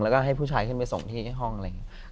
แล้วก็ให้ผู้ชายขึ้นไปส่งที่ห้องอะไรอย่างนี้